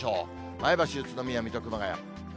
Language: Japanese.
前橋、宇都宮、水戸、熊谷。